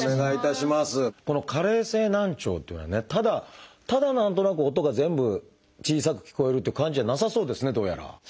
この加齢性難聴っていうのはねただただ何となく音が全部小さく聞こえるっていう感じじゃなさそうですねどうやら。